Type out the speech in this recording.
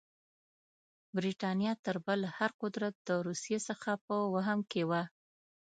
برټانیه تر بل هر قدرت د روسیې څخه په وهم کې وه.